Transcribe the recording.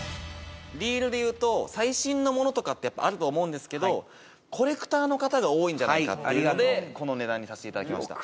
リールでいうと最新のものとかってやっぱあると思うんですけどコレクターの方が多いんじゃないかっていうのでこの値段にさせていただきました